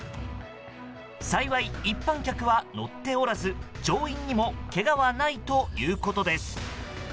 幸い一般客は乗っておらず乗員にもけがはないということです。